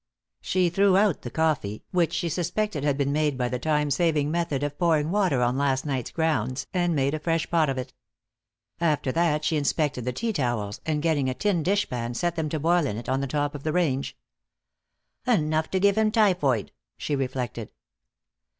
She threw out the coffee, which she suspected had been made by the time saving method of pouring water on last night's grounds, and made a fresh pot of it. After that she inspected the tea towels, and getting a tin dishpan, set them to boil in it on the top of the range. "Enough to give him typhoid," she reflected.